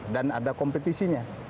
dan ada kompetisinya